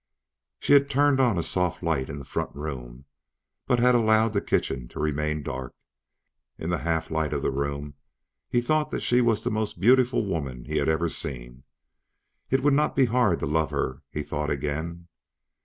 She had turned on a soft light in the front room, but had allowed the kitchen to remain dark. In the half light of the room, he thought that she was the most beautiful woman he had ever seen. It would not be hard to love her, he thought again.